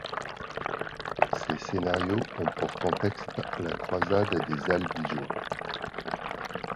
Ces scénarios ont pour contexte la Croisade des Albigeois.